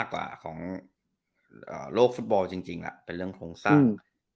ของโลกฟุตบอลจริงเป็นเรื่องโครงสร้าง